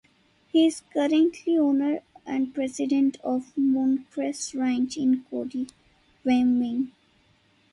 He is currently owner and President of Mooncrest Ranch in Cody, Wyoming.